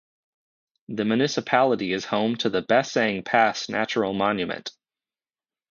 The municipality is home to the Bessang Pass Natural Monument.